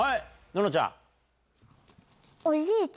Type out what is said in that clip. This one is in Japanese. ののちゃん。